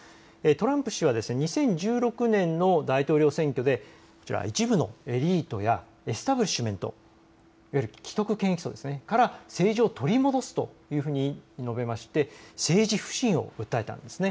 トランプ氏は２０１６年の大統領選挙で一部のエリートやエスタブリッシュメント・既得権益層から政治を取り戻すというふうに述べて政治不信を訴えたんです。